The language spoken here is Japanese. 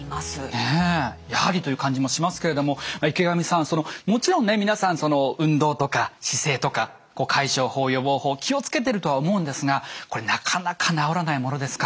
ねえやはりという感じもしますけれども池上さんそのもちろんね皆さん運動とか姿勢とか解消法予防法気を付けてるとは思うんですがこれなかなか治らないものですか？